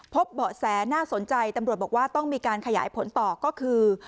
เบาะแสน่าสนใจตำรวจบอกว่าต้องมีการขยายผลต่อก็คือ